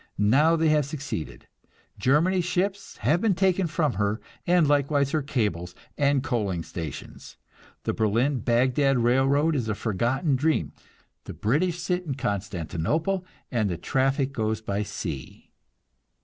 Now they have succeeded: Germany's ships have been taken from her, and likewise her cables and coaling stations; the Berlin Bagdad Railroad is a forgotten dream; the British sit in Constantinople, and the traffic goes by sea.